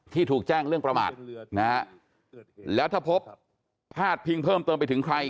ถูกแจ้งเรื่องประมาทนะฮะแล้วถ้าพบพาดพิงเพิ่มเติมไปถึงใคร